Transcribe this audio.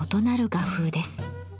画風です。